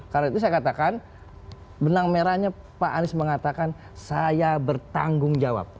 karena itu saya katakan benang merahnya pak anies mengatakan saya bertanggung jawab